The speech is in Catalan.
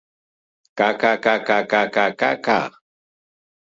Ca, ca, ca, ca, ca, ca, ca!